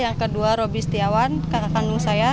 yang kedua roby setiawan kakak kandung saya